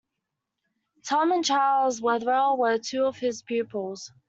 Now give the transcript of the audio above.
Tom and Charles Wetherell were two of his pupils.